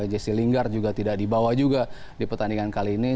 jessi linggar juga tidak dibawa juga di pertandingan kali ini